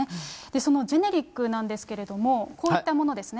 そのジェネリックなんですけれども、こういったものですね。